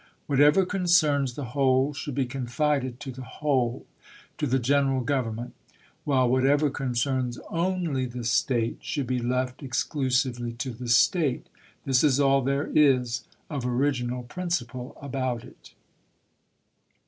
Whatever concerns the whole should be con fided to the whole — to the General Government ; while whatever concerns only the State should be left exclu sively to the State. This is all there is of original prin ciple about it.